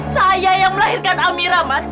saya yang melahirkan amira mas